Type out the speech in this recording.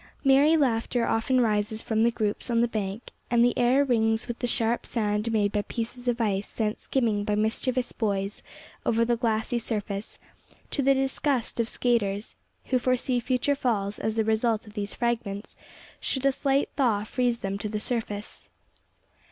Merry laughter often rises from the groups on the bank, and the air rings with the sharp sound made by pieces of ice sent skimming by mischievous boys over the glassy surface, to the disgust of skaters, who foresee future falls as the result of these fragments should a slight thaw freeze them to the surface.